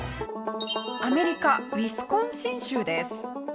アメリカウィスコンシン州です。